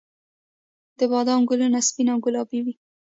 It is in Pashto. د بادام ګلونه سپین او ګلابي وي